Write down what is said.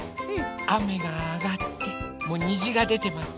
あめがあがってもうにじがでてます。